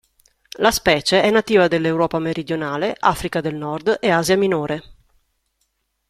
La specie è nativa dell'Europa meridionale, Africa del Nord e Asia minore.